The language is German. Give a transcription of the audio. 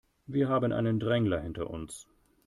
Wir haben einen Drängler hinter uns.